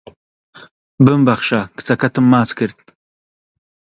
ببمبەخشە کچەکەتم ماچ کرد